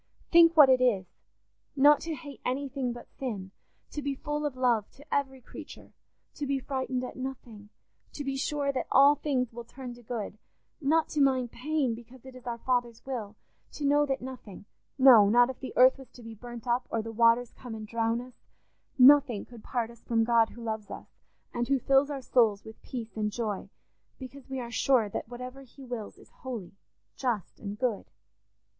Think what it is—not to hate anything but sin; to be full of love to every creature; to be frightened at nothing; to be sure that all things will turn to good; not to mind pain, because it is our Father's will; to know that nothing—no, not if the earth was to be burnt up, or the waters come and drown us—nothing could part us from God who loves us, and who fills our souls with peace and joy, because we are sure that whatever he wills is holy, just, and good.